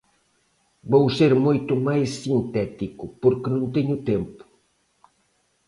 Vou ser moito máis sintético, porque non teño tempo.